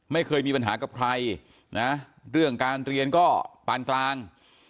ไม่เคยมีปัญหากับใครนะเรื่องการเรียนก็ปานกลาง